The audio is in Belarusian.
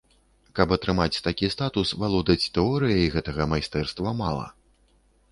Каб атрымаць такі статус, валодаць тэорыяй гэтага майстэрства мала.